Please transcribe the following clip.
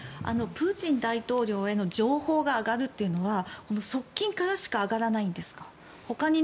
プーチン大統領への情報が上がるというのは側近からしか上がらないんですか？